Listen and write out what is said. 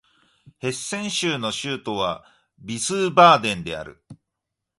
ヘッセン州の州都はヴィースバーデンである